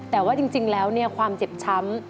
แต่ว่าจริงแล้วความเจ็บช้ำ